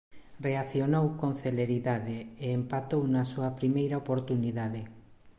Reaccionou con celeridade e empatou na súa primeira oportunidade.